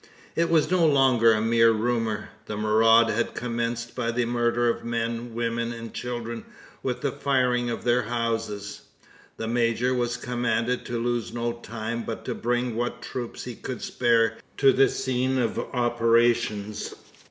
It was no longer a mere rumour. The maraud had commenced by the murder of men, women, and children, with the firing of their houses. The major was commanded to lose no time, but bring what troops he could spare to the scene of operations.